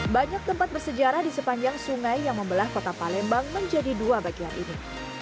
banyak tempat bersejarah di sepanjang sungai yang membelah kota palembang menjadi dua bagian ini